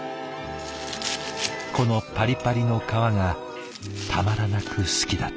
このパリパリの皮がたまらなく好きだった。